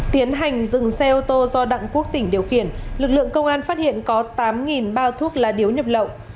tiến hành dừng xe ô tô do đặng quốc tỉnh điều khiển lực lượng công an phát hiện có tám bao thuốc lá điếu nhập lậu